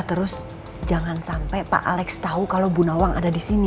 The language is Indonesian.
terus jangan sampai pak alex tahu kalau bu nawang ada di sini